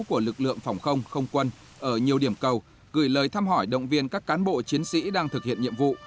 của lực lượng phòng không không quân ở nhiều điểm cầu gửi lời thăm hỏi động viên các cán bộ chiến sĩ đang thực hiện nhiệm vụ